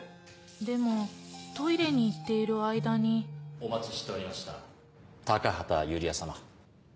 でもトイレに行っている間にお待ちしておりました高畑ユリア様。